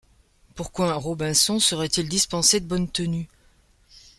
pourquoi un Robinson serait-il dispensé de bonne tenue ?